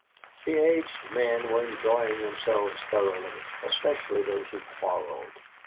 The aged men were enjoying themselves thoroughly, especially those who quarrelled.